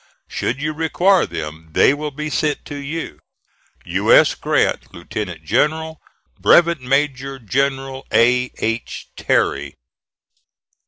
Should you require them, they will be sent to you. "U. S. GRANT, Lieutenant General. "BREVET MAJOR GENERAL A. H. TERRY."